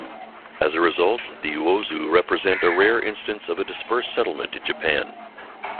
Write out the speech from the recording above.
As result, the Uozu represent a rare instance of a Dispersed settlement in Japan.